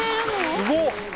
すごっ